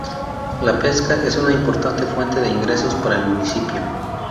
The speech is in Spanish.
La pesca es una importante fuente de ingresos para el municipio.